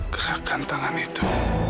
gerakan tangan itu